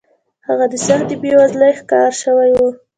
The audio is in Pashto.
هغه د سختې بېوزلۍ ښکار شوی و.